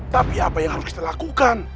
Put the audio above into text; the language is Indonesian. tapi apa yang harus kita lakukan